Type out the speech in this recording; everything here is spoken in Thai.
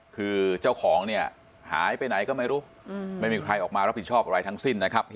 คือเจ้าของเนี่ยหายไปไหนก็ไม่รู้ไม่มีใครออกมารับผิดชอบอะไรทั้งสิ้นนะครับ